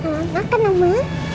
oma makan oma